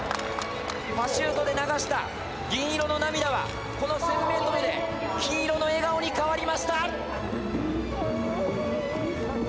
パシュートで流した銀色の涙は、この１０００メートルで、金色の笑顔に変わりました。